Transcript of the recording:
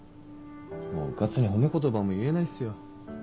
もううかつに褒め言葉も言えないっすよ。